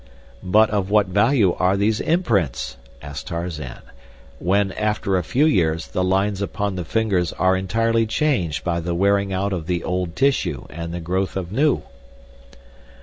"But of what value are these imprints," asked Tarzan, "when, after a few years the lines upon the fingers are entirely changed by the wearing out of the old tissue and the growth of new?"